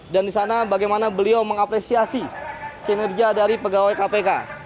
dan di sana bagaimana beliau mengapresiasi kinerja dari pegawai kpk